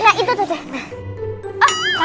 nah itu tuh cilet